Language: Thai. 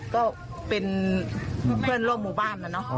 ก็เป็นเพื่อนร่วมหมู่บ้านนะเนาะ